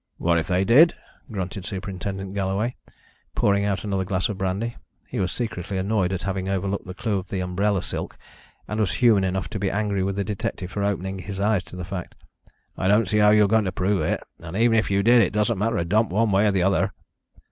"What if they did?" grunted Superintendent Galloway, pouring out another glass of brandy. He was secretly annoyed at having overlooked the clue of the umbrella silk, and was human enough to be angry with the detective for opening his eyes to the fact. "I don't see how you're going to prove it, and, even if you did, it doesn't matter a dump one way or the other."